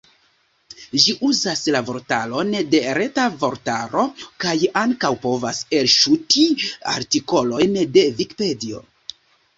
Ĝi uzas la vortaron de Reta Vortaro, kaj ankaŭ povas elŝuti artikolojn de Vikipedio.